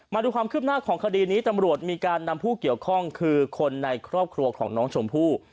มาดูความคืบหน้าของคดีนี้ตำรวจมีการนำผู้เกี่ยวข้องคือคนในครอบครัวของน้องชมพู่